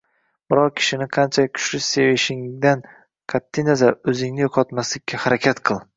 Biror kishini qanchalik kuchli sevishingdan qat’iy nazar o‘zingni yo‘qotmaslikka harakat qil.